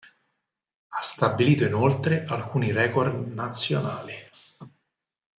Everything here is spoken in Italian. Ha stabilito inoltre alcuni record nazionali.